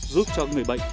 giúp cho người bệnh